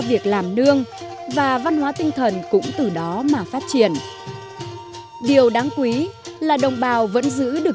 việc làm nương và văn hóa tinh thần cũng từ đó mà phát triển điều đáng quý là đồng bào vẫn giữ được